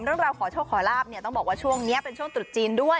ขอโชคขอลาบเนี่ยต้องบอกว่าช่วงนี้เป็นช่วงตรุษจีนด้วย